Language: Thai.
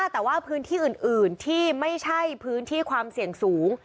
แต่ว่าพื้นที่อื่นที่ไม่ใช่พื้นที่ความเสี่ยงสูง